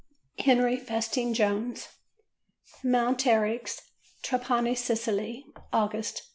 HENRY FESTING JONES. Mount Eryx, Trapani, Sicily, August, 1912.